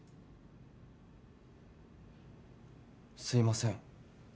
すいません。